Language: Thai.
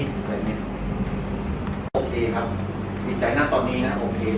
โอเคครับอิ่งใจนะตอนนี้โอเคแต่วันนี้น้องไม่ได้ไปเรียน